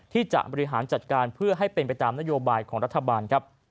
ที่จะบริหารจัดการเพื่อให้เป็นไปตามนโยบายของรัฐบาลครับ